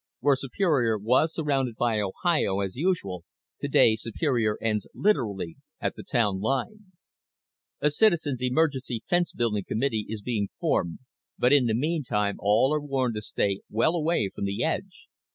Where Superior was surrounded by Ohio, as usual, today Superior ends literally at the town line._ _A Citizens' Emergency Fence Building Committee is being formed, but in the meantime all are warned to stay well away from the edge.